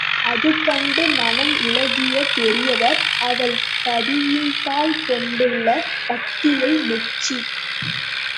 அதுகண்டு மனம் இளகிய பெரியவர், அவள் பதியின்பால் கொண்டுள்ள பக்தியை மெச்சி.